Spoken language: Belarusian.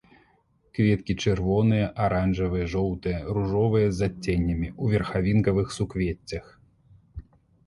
Кветкі чырвоныя, аранжавыя, жоўтыя, ружовыя з адценнямі, у верхавінкавых суквеццях.